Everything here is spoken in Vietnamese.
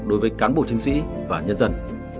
đối với cán bộ chiến sĩ và nhân dân